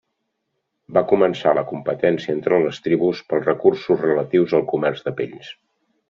Va començar la competència entre les tribus pels recursos relatius al comerç de pells.